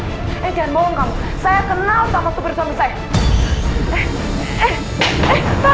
eh jangan bohong kamu saya kenal sama kebersama saya